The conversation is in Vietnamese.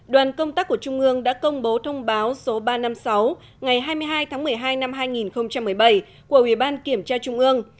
đoàn công tác của trung ương đã công bố thông báo số ba trăm năm mươi sáu ngày hai mươi hai tháng một mươi hai năm hai nghìn một mươi bảy của ủy ban kiểm tra trung ương